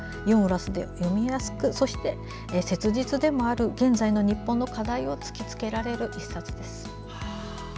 ユーモラスで読みやすくそして切実でもある現在の日本の課題を突き付けられる１冊です。